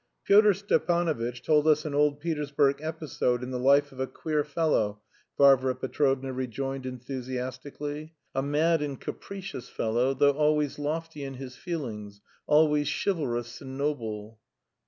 "Pyotr Stepanovitch told us an old Petersburg episode in the life of a queer fellow," Varvara Petrovna rejoined enthusiastically "a mad and capricious fellow, though always lofty in his feelings, always chivalrous and noble...."